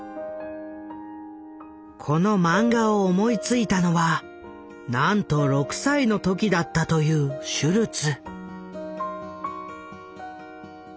このマンガを思いついたのはなんと６歳の時だったというシュルツ。